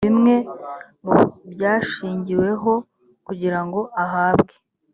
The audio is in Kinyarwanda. bimwe mu byashingiweho kugirango ahabwe